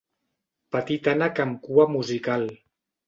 Petit ànec amb cua musical.